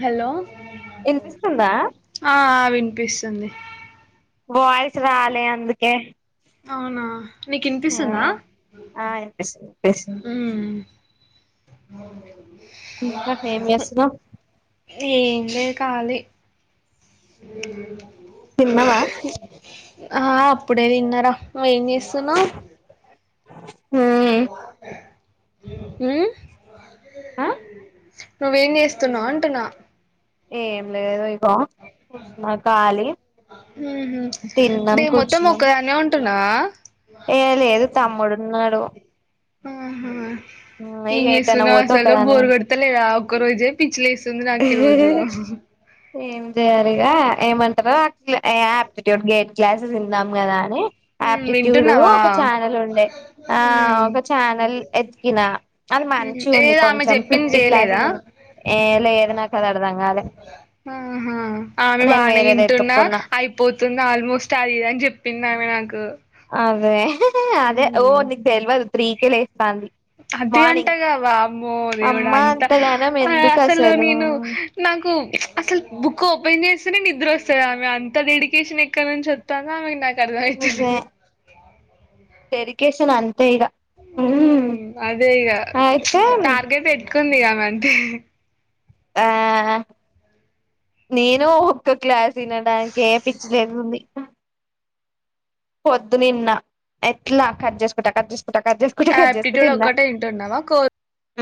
Hello ఇనిపిస్తుందా. ఆ వినిపిస్తుంది. వాయిస్ రాలే అందుకే. అవునా నీకు ఆ ఇనిపిస్తుందా. ఆ వినిపిస్తుంది వినిపిస్తుంది అహ ఇంకా ఏమ్ చేస్తున్నవు. ఏం లేదు కాలి. హ తిన్నవా? ఆ అప్పుడే తిన్నారా. నువ్వు ఏం చేస్తున్నవు? హ్ ఎ హ్ ఆ నువ్వేం చేస్తున్నావు అంటున్నా ఏం లేదు ఇపో ఉహుం తిన్నాం డే మొత్తము కూర్చున్నాం ఒక్కదానివే ఉన్ టున్నావా ఏ లేదు తమ్ముడున్నాడు ఆహా ఏం ఇగ ఎటైనా పోతే చేసున్నావాసలు ఒక్కదాన్నే బోర్గడుత లేదా ఒక్క రోజే పిచ్చిలేస్తుంది నాకు ఈ రోజు ఉంటా ఏం చేయాలి ఇగ ఏమంటార ఇట్లా ఆయాప్టిట్యూడ్ గేట్ క్లాసెస్ ఇందం కదా అని ఆప్టిట్యూడ్ ఒక ఛానల్ ఉండే ఆ ఉ ఒక ఛానల్ ఎతికినా అది మ్మ్ మంచిగా ఉంది ఏది ఆమె కొంచెం చెప్పింది ఫిఫ్టీ చేయలేదా క్లాసెస్ ఉంది ఏ లేదు నాకు అది అర్ధం కాలే ఆహా ఆమె నేను బాగానే వేరేది వింటున్నా ఎతుక్కున్నా అయి పోతుంది ఆల్మోస్ట్ అది ఇది అని చెప్పింది ఆమె నాకు అదే అదే ఓ ఉమ్ నీకు తెలివదు త్రీకే లేస్తాంది అది మార్నింగ్ అంటేగా వామ్మో దేవుడు అమ్మ అంతా అంతగానం ఆ ఎందుకు అసలు నేను నాకు అసలు బుక్ ఓపెన్ చేస్తే నిద్ర వస్తంది. ఆమె అంత డెడికేషన్ ఎక్కడ నుంచి వత్తందో ఆమెకు న నాక్ అర్ధంఅయితలేదు డేడికేషన్ అంతే ఇగ ఉమ్ అదే ఇగ అయితే టార్గెట్ చ్ పెట్టుకుంది ఇగ ఆమె అంతే ఆ నేను ఒక్క క్లాస్ తినడానికే పిచ్చి లెత్తుంది పొద్దునా ఇన్న ఎట్లా కట్ చేసుకుంటా కట్ చేసుకుంటా కట్ చే ఆయాప్టిట్యూడ్ ఒక్కటే వింటున్నావా కో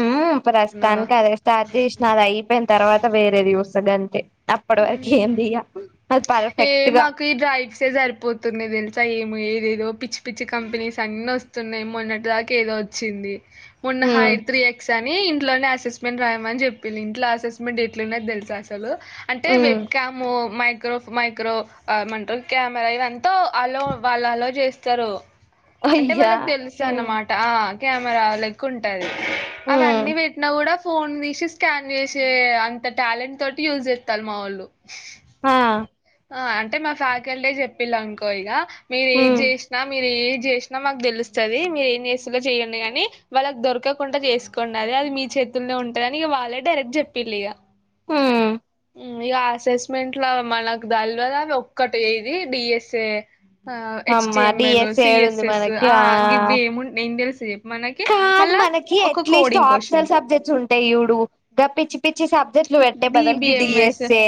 ఉమ్ ప్రస్తుతానికి అదే స్టార్ట్ చేసిన అది అయిపోయిన తర్వాత వేరేది యుస్త గంతే అప్పడివరకు ఏం ఉమ్ చెయ్య ఏ మాక్ ఈ డ్రైవ్స్ సరిపోతున్నాయి తెలుసా ఏమో ఏదేదో పిచ్చి పిచ్చి కంపెనీస్ అన్ని వస్త్ న్నా మొన్నటి దాకా ఏదో వచ్చింది మొన్న ఉమ్ హైత్రీ స్ కాని ఇంట్లోనే అసెస్మెంట్ రాయామని చెప్పింది ఇంట్ల అసెస్మెంట్ ఎట్లున్నది తెలుసా అసలు అంటే ఉమ్ వెబ్కము మయ్ మైక్రో ఏమంటరు కెమెరా ఇవంతా అలో వాళ్ళు అలో చేస్తారు. అంటే అయ్యా వాళ్ళకి తెలుస్తది ఉమ్ అన్నమాట ఆ కెమెరా లెక్క ఉంటాది ఉమ్ అవన్నీ పెట్టినా కూడా ఫోన్ తీసి స్కాన్ చేసే అంత టాలెంట్ తోటి యూజ్ చేస్తారు మా వాళ్ళు ఆ ఆ అంటే మా ఫ్యాకల్టీ చెప్పిళ్ళు అనుకో ఇగ మీరు ఏజ్ ఉమ్ చేసినా మీరు ఏది చేసిన మాకు తెలుస్తది మీరు ఏం చేస్తులో చేయండి గాని వాళ్ళకి దొరకకుండా చేసుకోండది అది మీ చే చేతిలోనే ఉంటాది అని ఇగ వాళ్ళే డైరెక్ట్ చెప్పిలి ఇగ ఉమ్ ఇగ అసెస్మెంట్ లో మనకు దల్వ అవి ఒక్కటి ఇది డి ఎస్ ఏ ఆ హెచ్ టి అమ్మా M L D S C S ఏడుంది ఎస్ మనకి ఆ గివ్వి ఏము ఏం తెలిసయి చెప్పు కాదు మనకి అట్లీస్ట్ క్వశ్చన్ ఆప్షనల్ సబ్జెక్ట్స్ ఉంటాయి యుడు గ పిచ్చి పిచ్చి సబ్ చెట్లు పెట్టే బదలు గివ్వి డిబిఎంఎస్ చేస్తే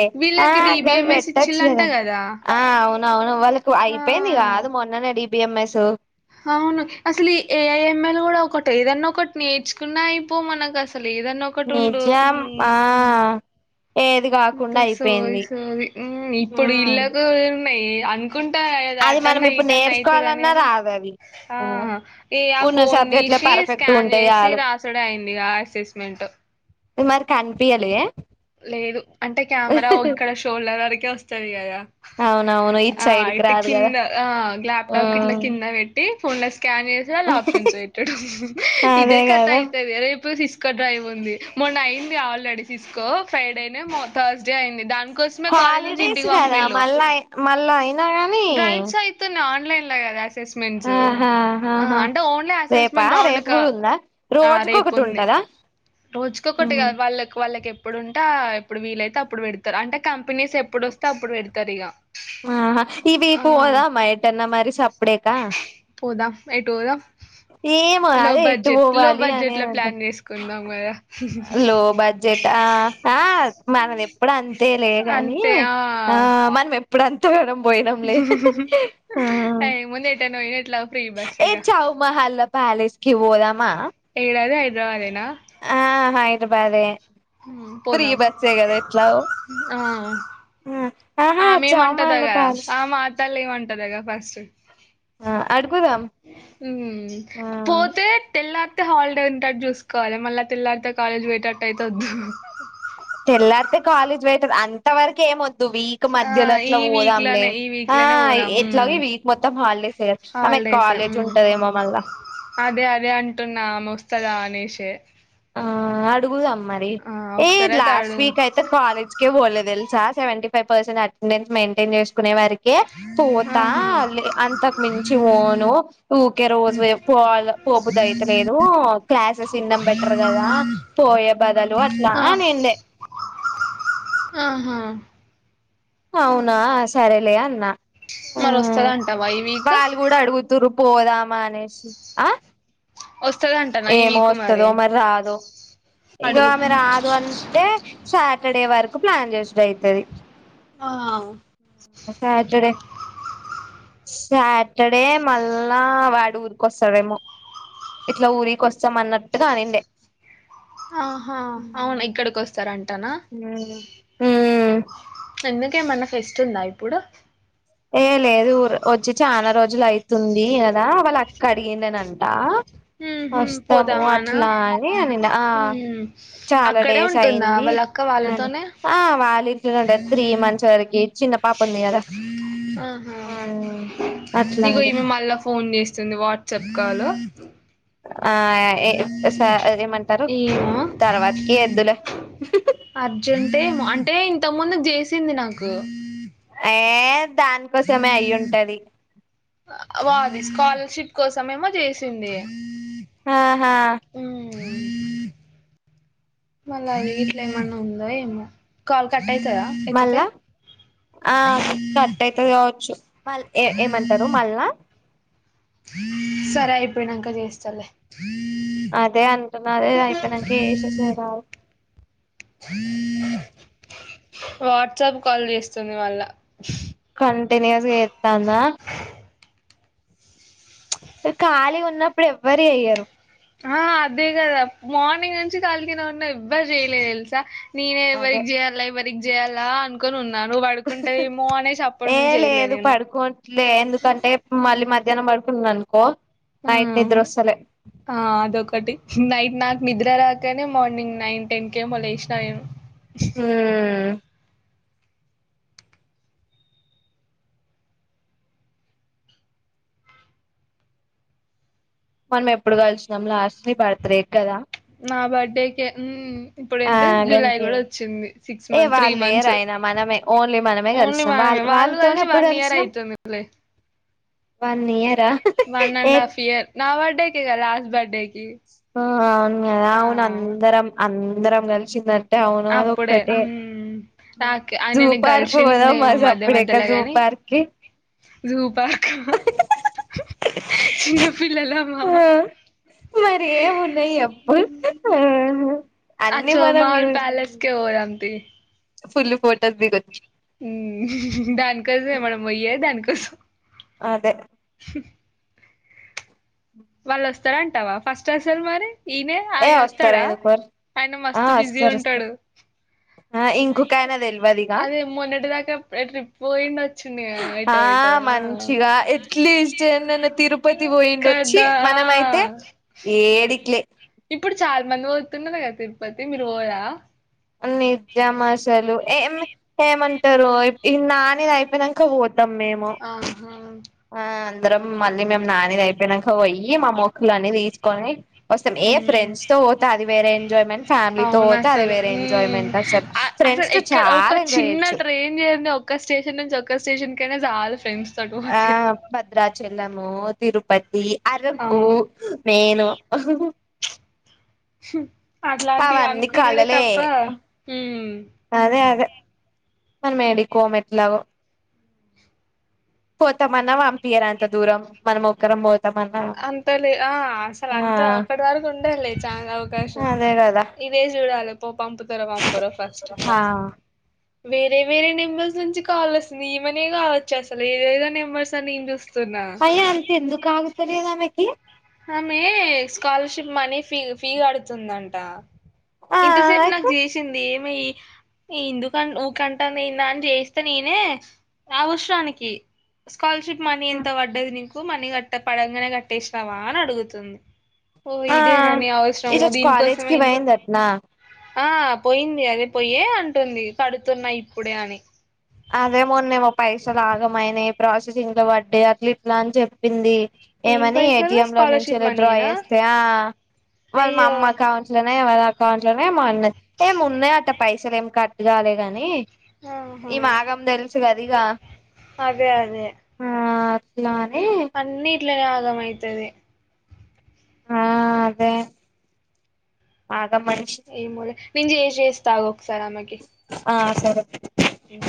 ఆ వీళ్ళకి డిబిఎంఎస్ పెట్టచ్చు ఇచ్చిళ్ళంట కదా గదా! ఆ అవునవును వాళ్ళకి అయిపోయింది ఆ! కాదు మొన్ననే డి బి ఎం ఎస్ అవును అసలు ఈ ఏ ఐ ఎం ఎల్ కూడా ఒకటి ఏదన్న ఒకటి నేర్చుకున్నా అయిపోవు మనకు అసలు ఏదన్న ఒక నిజం ఆ ఏది కాకుండా అంతా సోది అయిపోయింది సోది ఉమ్ ఇప్పుడు ఉమ్ ఇల్లాగా ఉన్నాయి ఏ అంత్ కుంటా అది మనం ఆటన్న ఇప్పుడు ఈటన్న అయితదని నేర్చుకోవాలన్నా గని రాదు అది ఆ ఇగ ఆ ఉన్న ఫోన్ సబ్జెక్ట్లే తీసి పర్ఫెక్ట్ స్కాన్ ఉంటాయి చేసి చాలు రాసుది అయింది ఇగ అసెస్మెంట్ ఇది మరి కన్పియలే లేదు అంటే కెమెరా ఇక్కడ షోల్డర్ వరకే వస్తది కదా అవునవును ఆ సైడ్కి ఇటు రాదు కదా కింద ఆ లాప్టాప్ కి ఇట్లా ఉమ్ కింద వేట్ ఫోన్ లో స్కాన్ చేసి అ ఆప్షన్స్ పెట్టుడు ఇదే అదే కథ కదా అయితది రేపు సిస్ స్కో డ్రైవ్ ఉంది మొన్న అయింది ఆల్రెడీ సిస్కో ఫ్రైడేనే థర్స్డే అయింది దానికోస్ హాలిడేస్ కదా మళ్ళాయి మళ్ళాయి డ్రైవ్స్ అయితున్నాయి ఆన్లైన్ గదా ఆహాహా ఓన్లీ రేపా అసెస్మెంట్ రౌండ్ రేపు క కూడా ఉందా రోజుకు ఒకటి ఉంటదా? రోజుకు ఒకటి గాద్ వ వాళ్ళకి వాళ్ళకి ఎప్పుడుంటే ఎప్పుడు వీలైతే అప్పుడు పెడతారు అంటే కంపెనీస్ ఎప్పుడు వస్తే అప్పుడు పెడతారు ఇగ ఆహా ఈవికు పోదామా ఏటన్న మరి సప్పుడేక పోదాం ఎటు పోదాం ఏమో లో అదే ఎట్టు బడ్జెట్ లో పోవాలి అనే బడ్జెట్ లో ప్లాన్ చేసుకుందాం కదా లో బ డ్జెట్ మనది ఎప్పుడు అంతే లేగాని ఆ మనం ఎ ఇప్పుడుంతగానం పోయనం లే ముందే ఏటన్న వెనట్ల ఫ్రీ ఏ బస్సేగా చవు మహల్లా పలేస్కి పోదమా ఏడది హైదరాబాద్ ఎనా ఆ హైదరాబాదే ప్రీ పోదాం బస్సే కదా ఎట్లాగో ఆ ఆమేమంటదగా ఆ మాతల్లి ఏమంటదగా ఫస్ట్ ఆ అడుగుదాం ఉ ఆ పోతే తెల్లారితే హాలిడే ఉంటట్టు చూసుకోవాలి మళ్ళా తెల్లారితే కాలేజ్ పోయేటట్టు అయితే వద్దు. తెల్లారితే కాలేజ్ వెయిటర్ అంత వరకి ఏమొ వీక్ ఆ మధ్యలో ఈ అట్లా వీక్ పోదాంలే లోనే ఈ వీక్ ఆ లోనే పోదాం ఎట్లాగ ఉమ్, ఈ వీక్ మొత్తం హాలిడేస్ గదా ఆమె హాలిడేస్ కాలేజ్ ఉమ్, ఉంటదేమో మళ్ళా అదే అదే అంటున్నా ఆమె వస్తదా అనేషే ఆ అడుగుదాం మరి ఆ ఏ ఒకసారైతే లాస్ట్ ఆడు వీక్ అయితే కాలేజ్ కె పోలేదు తెలుసా seventy five percent attendance maintain చేసుకునే వారికి కె పోతా ఆహా లే అంతకు మించి పోను ఊకే రోజు పోవాలా పోబుద్ధి అయితే లేదు క్లాసెస్ ఇన్నం బట్ టారు కదా పోయే బదులు అట్లా ఆ నిండే ఆహా అవునా సరేలే అన్న మరి వస్తదంటవ ఈ వీక్ తురు పోదామా అనేసి ఆ వస్తదంటనా ఈ ఏమో వీక్ వస్తదో మరి రాదో ఇగ అడుగు ఆమె రాదు అన్ టే సాటడే వరకు ప్లాన్ చేసుడు అయితది ఆ సాటడే సాటడే మళ్ళా వాడు ఊరికొస్తాడేమో ఇట్లా ఊరికొస్తాం అన్నట్టుగా అనిండే ఆహా అవునా ఇక్కడికొస్తారంటనా మ్మ్ మ్మ్ ఎందుకు ఏమన్నా ఫెస్ట్ ఉందా ఇప్పుడు ఏ లేదు ఊరు వచ్చి చానా రోజులు ఐతుంది కదా వాళ్ళు అక్క అడిగిందనంట ఉహు వస్తాము పోదామానా అట్లా అని అనిండె ఆ ఉమ్ చాలా అక్కడే డేస్ ఉంటుందా అయ్యింది వాళ్ళ అక్క ఔను వాళ్ళతోనే ఆ వాళ్ళింట్లనే ఉండే త్రీ మంత్స్ వరకి చిన్న పాప ఉంది కదా ఆహా అట్లా ఇగో ఈమె మల్లా ఫోన్ చేస్ సుంది వాట్సాప్ కాలో ఆ ఏ స్ ఏమంటారు ఏమో తర్వాతకి ఏద్దూలే అర్జెంట్ ఏమో అంటే ఇంతకు ముందు చేసింది నాకు ఏ దానికోసమే అయ్యుంటాది వాది స్కాలర్షిప్ కోసమేమో చేసింది ఆహా మళ్ళ గిట్ల ఏమన్నా ఉందో ఏమో కాల్ కట్ అయితదా ఎత్తితే మళ్ళా తే గావచ్చు ఏ ఏమంటారు మళ్ళా సరే అపోయినంక చేస్తాలే అదే అంటున్నారు అయిపోయినంక ఏసేసే రా వాట్సాప్ కాల్ చేస్తుంది మళ్ళ కంటిన్యుయస్ గా చేత్తా ఉందా ఖాళీ ఉన్నప్పుడు ఎవ్వరు చెయ్యరు ఆ అదే కదా మార్నింగ్ నుంచి ఖాళీగానే ఉన్నా ఎవ్వరు చేయలే తెలుసా నేనే అదే ఎవ్వరికి చేయాలా ఎవరికి చేయాలా అను కోని ఉన్నా నువ్వు పడుకుంటవేమో అనేసి అప్పటి ఏ నుంచి చెయ్యలే లేదు నేను పడుకోవట్లే ఎందుకంటే మళ్ళీ మధ్యానం పడుకుంది అనుకో నైట్ నిద్రొస్తలే ఆ అదొకటి నైట్ నాకు నిద్ర రాకనే మార్నింగ్ నైన్ టెన్ కేమో లేసినా నేను ఊ మనం ఎప్పుడు కలిసినం లాస్ట్ నీ బర్త్ డే కి కదా నా బర్డే కే ఉమ్ ఇప్పుడు ఆ ఎంతు జూలై కూడా గంతే వచ్చింది సిక్స్ ఏ మంత్ త్రీ వాళ్ళు లేరు మంత్స్ అయినా మనమే ఓన్లీ మనమే ఓన్లీ కలిసినాం వాళ్ళ మనమే వాళ్ళు వాళ్ళతోనే కలిసి ఎప్పుడు వన్ ఇయర్ కలిసినాం ఐతుంది లే వన్ ఇయర్ ఆ వన్ అండ్ హఫ్ ఇయర్ నా బర్డే కే గా లాస్ట్ బర్డే ఆ అవును గదా అవును అందరం అందరం కలిసింద టే ఔను అది అప్పుడే ఒక్కటే మ్మ్ నాకు జూ ఆయనని పార్క్ పోదామా కలిసిండేమో మధ్య సప్పుడేకా మధ్యలో జూ గాని పార్ కి జూ పార్కా చిన్న పిల్లలమా ఆ మరి ఏం ఉన్నాయి ఎప్పు ఊ అన్నీ మనం జూ పాలేస్ కే పోదాం తీ ఫుల్లు ఫోటోస్ దిగొచ్చు ఊ దానికోసమే మనం పొయ్యే దానికోసం అదే స వాళ్ళు వస్తార అంటావా ఫస్ట్ అసలు మరి ఈనే ఏ ఆయన వస్తారు వస్తాడా ఎందుకోరు ఆయన ఆ మస్తు బిజీ వస్తారు వస్తారు ఉంటాడు ఆ ఇంకొక ఆయన తెల్వదిగా అదే మొన్నటిదక ట్రిప్ పోయి ఆ మంచిగా ఎట్లీస్ట్ ఎన్నన్న తిరుపతి పోయిండ చ్చి కదా ఆ మనమైతే ఏడికిలే ఇప్పుడు చాలా మంది పోతున్నారు కదా తిరుపతి మీరు ఓరా నిజం అసలు ఏమే ఏమంటారు ఈ నాని అయిపోయినంక పోతాం మేము ఆహా ఆ అందరం మళ్ళీ మేము నానిది అయిపోయినంక పొయ్యి మా మొక్కలు అన్ని తీసుకొని వస్తాం ఏ ఉమ్ ఫ్రెండ్స్ తో పోతే అది వేరే ఎంజాయ్మెంట్ ఫ్యామిలీతో అవును పోతే అది అసలు వేరే ఉమ్ ఎంజాయ్మెంట్ అసలు అ ఫ్రెండ్స్ తో చాలా ఎంజాయ్ చేయచ్చు ని ఒక్క స్టేషన్ నుంచి ఒక్క స్టేషన్ కైనా చాలు ఫ్రెండ్స్ తోటి ఆ పోతే భద్రాచలము, తిరుపతి, అరకు అవును మేను ఆహహుమ్ అట్లాంటివి అవన్నీ అనుకునుడే కలలే తప్ప అదే అదే మనము ఏడి కోముఏట్లాగో పోతం అన్న పంపియారు అంత దూరం మనం ఒక్కరం పో అంతలే ఆ అసలు అంత అక్కటి వరకు ఉండలే చాలా అవకాశం అదే కదా రేజ్ చుడాలే పో పంపుతారో పంపారో ఫస్ట్ ఆ వేరే వేరే నెంబర్స్ నుంచి కాల్ వస్తుంది ఈమనే కావచ్చు అసలు ఏదేదో నెంబర్స్ అని నేన్ చూస్తున్నా ఏ అంత ఎందుకుగుతులే ఆమెకి ఆమె స్కాలర్షిప్ మనీ ఫీ ఫీ కడుతుందంట ఆ ఇంతసేపు నాకు అయితే చేసింది ఏమి ఎందుకు అన్ ఊకంటంది ఏందా అని చేస్తే నేనే అ అవసరానికి స్కాలర్షిప్ మనీ ఎంత పడ్డది నీకు మనీ కట్ట పడంగానే కట్టేసినావా అని అడుగుతుంది. ఓ ఆ ఇదే న నీవసరము ఈరోజు కాలేజ్ కి దీనికోసమే పోయిందటనా ఆ పోయింది అదే పోయే అంటుంది కడుతున్నా ఇప్పుడే అని అదేమోన్నేమో పైసలు ఆగమైనా ప్రాసెసింగ్ లో పడ్డయి అట్లా ఇట్లా అని చెప్పింది. ఏం ఏమని ఏ పైసలు టి ఎం లో స్కాలర్షిప్ నుంచిలో డ్రా మనీయేనా చేస్తే ఆ వాళ్ళ మా అయ్యో అమ్మ కావించిలేన వద అకౌంట్ లోనే ఏమోన్నది ఏమి ఉన్నాయ అట పైసలు ఏమి కట్టుగాలే కని ఆహా ఈమే ఆగం తెలుసు కది ఇగ అదే అదే ఆ అట్లా అని అన్ని ఇట్లనే ఆగం అయితది ఆ అదే ఆగం మనిషి ఏమోలే నేన్ చేస్ ఏస్తా ఒక సారీ ఆమెకి ఆ సరే ఉమ్